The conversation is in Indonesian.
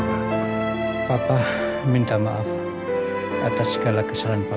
tuhan terima kasih untuk bagi dia